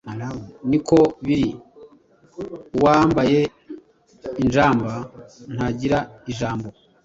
ni ko biri uwambaye injamba ntagira ijambo”